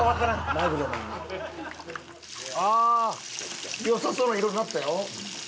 ああ良さそうな色になったよ。